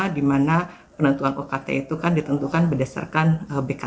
di mana penentuan ukt itu kan ditentukan berdasarkan bkt nya